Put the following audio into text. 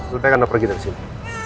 lo udah akan ngepergin disini